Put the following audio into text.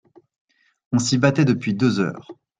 On s'y battait depuis deux heures.